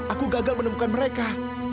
aku gagal menemukan mereka